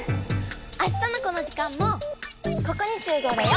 あしたのこの時間もここに集合だよ！